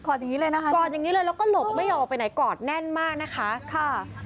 อย่างนี้เลยนะคะกอดอย่างนี้เลยแล้วก็หลบไม่ยอมออกไปไหนกอดแน่นมากนะคะค่ะ